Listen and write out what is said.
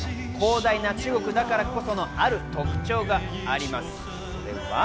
広大な中国だからこそのある特徴があります。